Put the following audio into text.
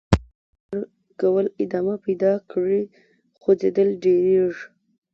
که تودوخې ورکول ادامه پیدا کړي خوځیدل ډیریږي.